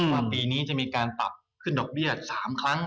ว่าปีนี้จะมีการปรับขึ้นดอกเบี้ย๓ครั้ง